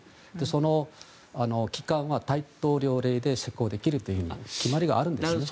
その機関は大統領令で施行できると決まりがあるんですね。